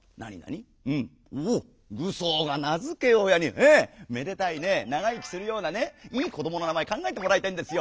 「ええ。めでたいねえ長生きするようなねいい子どもの名前考えてもらいたいんですよ。